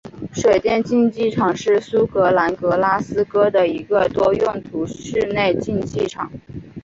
水电竞技场是苏格兰格拉斯哥的一个多用途室内竞技场。